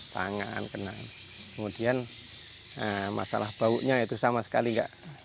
tangan kenang kemudian masalah baunya itu sama sekali enggak